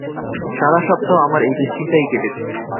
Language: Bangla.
সারা সপ্তাহ আমার এই দুঃশ্চিন্তায়ই কেটেছে।